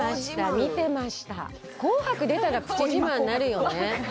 見てました「紅白」出たらプチ自慢になるよね